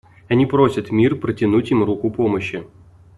Они просят мир протянуть им руку помощи.